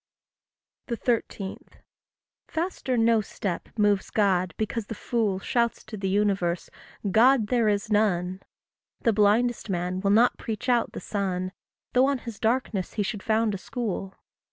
13. Faster no step moves God because the fool Shouts to the universe God there is none; The blindest man will not preach out the sun, Though on his darkness he should found a school.